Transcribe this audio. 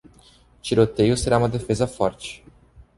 Tiroteio será uma defesa forte.